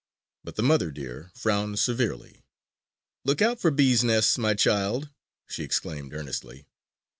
But the mother deer frowned severely: "Look out for bees' nests, my child!" she exclaimed earnestly.